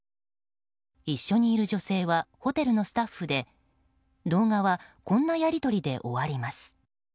一緒にいる女性はホテルのスタッフで動画はこんなやり取りで終わります。